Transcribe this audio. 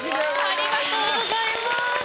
ありがとうございます。